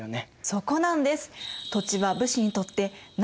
そこなんです！